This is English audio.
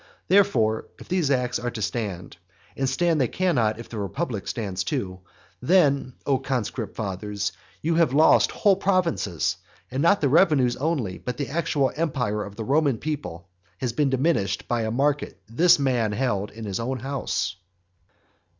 Therefore, if these acts are to stand, and stand they cannot if the republic stands too, then, O conscript fathers, you have lost whole provinces; and not the revenues only, but the actual empire of the Roman people has been diminished by a market this man held in his own house.